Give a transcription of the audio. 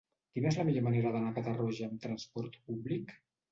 Quina és la millor manera d'anar a Catarroja amb transport públic?